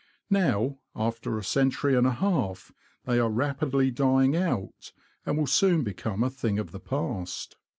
Now, after a century and a half, they are rapidly dying out, and will soon become a thing of the past.